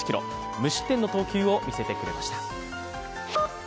無失点の投球を見せてくれました。